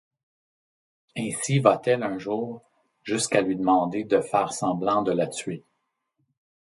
Ainsi va-t-elle un jour jusqu'à lui demander de faire semblant de la tuer.